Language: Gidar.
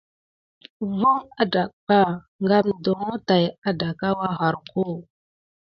Kihule von adaba kam ɗoŋho tät adanka wuyarko.